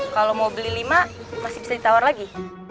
kalau mau beli lima masih bisa ditawar lagi